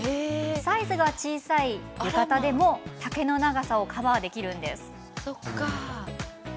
サイズが小さい浴衣でも丈の長さをカバーできるんです。